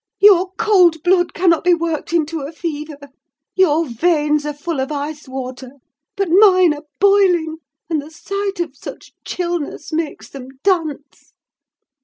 Your cold blood cannot be worked into a fever: your veins are full of ice water; but mine are boiling, and the sight of such chillness makes them dance."